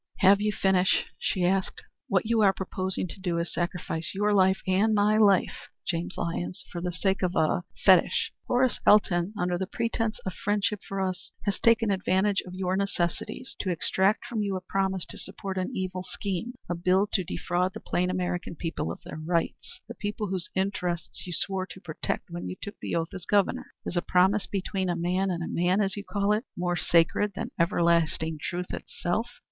"Have you finished?" she asked. "What you are proposing to do is to sacrifice your life and my life, James Lyons, for the sake of a er fetish. Horace Elton, under the pretence of friendship for us, has taken advantage of your necessities to extract from you a promise to support an evil scheme a bill to defraud the plain American people of their rights the people whose interests you swore to protect when you took the oath as Governor. Is a promise between man and man, as you call it, more sacred than everlasting truth itself?